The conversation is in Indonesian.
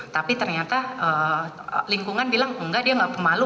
tapi ternyata lingkungan bilang enggak dia nggak pemalu